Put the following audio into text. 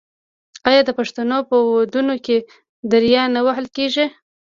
آیا د پښتنو په ودونو کې دریا نه وهل کیږي؟